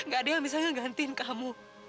gak ada yang bisa ngegantiin kamu